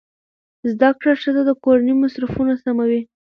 زده کړه ښځه د کورنۍ مصرفونه سموي.